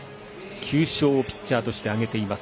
９勝をピッチャーとして挙げています。